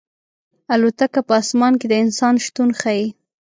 الوتکه په اسمان کې د انسان شتون ښيي.